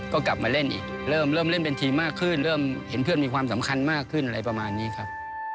ก็กลับมาเล่นอีกเริ่มเล่นเป็นทีมมากขึ้นเริ่มเห็นเพื่อนมีความสำคัญมากขึ้นอะไรประมาณนี้ครับ